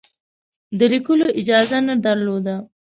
د لیکلو اجازه نه درلوده.